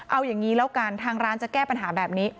เอาอย่างนี้แล้วกันทางร้านจะแก้ปัญหาแบบนี้